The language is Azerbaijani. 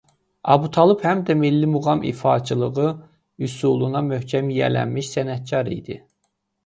Abutalıb həm də milli muğam ifaçılığı üsuluna möhkəm yiyələnmiş sənətkar idi.